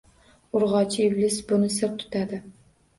Urg`ochi iblis buni sir tutadi